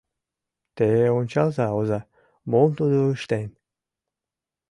Те ончалза, оза, мом тудо ыштен!